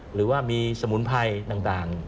หรือว่ามีสมุนไพรต่าง